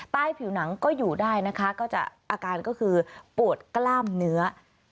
ใต้ผิวหนังก็อยู่ได้อาการก็คือปวดกล้ามเนื้อ